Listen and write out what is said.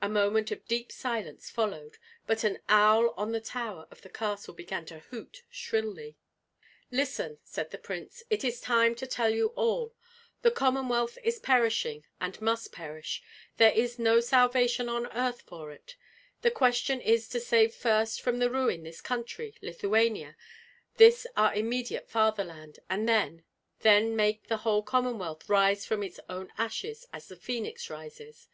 A moment of deep silence followed; but an owl on the tower of the castle began to hoot shrilly. "Listen," said the prince, "it is time to tell you all. The Commonwealth is perishing, and must perish. There is no salvation on earth for it. The question is to save first from the ruin this country (Lithuania), this our immediate fatherland, and then then make the whole Commonwealth rise from its own ashes, as the ph[oe]nix rises.